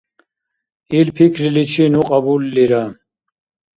Ил пикриличи ну кьабуллира.